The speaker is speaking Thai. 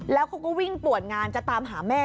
แล้วเขาก็วิ่งปวดงานจะตามหาแม่